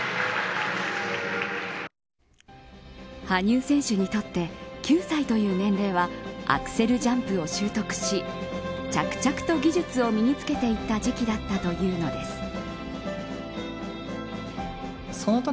羽生選手にとって９歳という年齢はアクセルジャンプを取得し着々と技術を身につけていった時期だったというのです。